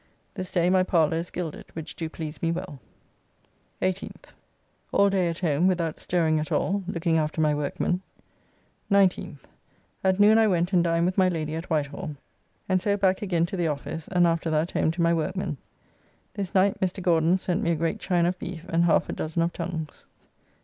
This day my parlour is gilded, which do please me well. 18th. All day at home, without stirring at all, looking after my workmen. 19th. At noon I went and dined with my Lady at Whitehall, and so back again to the office, and after that home to my workmen. This night Mr. Gauden sent me a great chine of beef and half a dozen of tongues.